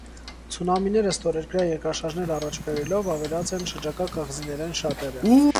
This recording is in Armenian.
Ցունամիները, ստորերկրեայ երկրաշարժներ յառաջ բերելով, աւերած են շրջակայ կղզիներէն շատերը։